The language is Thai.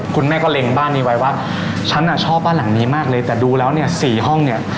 คุณแม่ก็เล็งบ้านนี้ไว้ว่าฉันอ่ะชอบบ้านหลังนี้มากเลยแต่ดูแล้วเนี่ยสี่ห้องเนี่ย